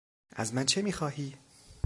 از من چه میخواهی؟